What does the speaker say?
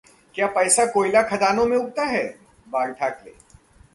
क्या पैसा कोयला खदानों में उगता है?: बाल ठाकरे